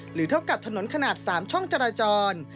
เท่ากับถนนขนาด๓ช่องจราจร